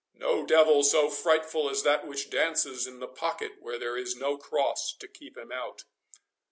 —No devil so frightful as that which dances in the pocket where there is no cross to keep him out."